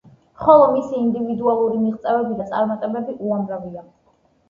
ხოლო მისი ინდივიდუალური მიღწევები და წარმატებები, უამრავია.